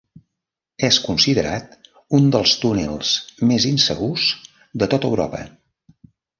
És considerat un dels túnels més insegurs de tot Europa.